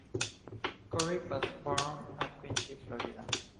Corry was born at Quincy, Florida.